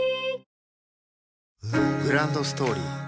グランドストーリー